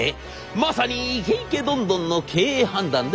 まさにイケイケドンドンの経営判断でございました。